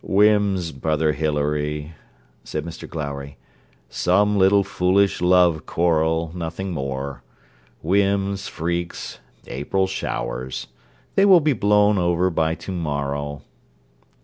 'Whims, brother Hilary,' said Mr Glowry; 'some little foolish love quarrel, nothing more. Whims, freaks, April showers. They will be blown over by to morrow.'